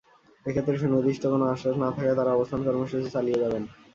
এ ক্ষেত্রে সুনির্দিষ্ট কোনো আশ্বাস না থাকায় তাঁরা অবস্থান কর্মসূচি চালিয়ে যাবেন।